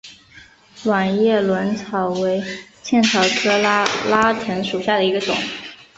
卵叶轮草为茜草科拉拉藤属下的一个种。